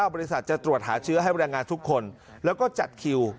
บริษัทจะตรวจหาเชื้อให้แรงงานทุกคนแล้วก็จัดคิว